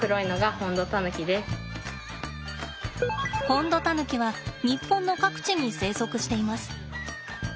ホンドタヌキは日本の各地に生息しています。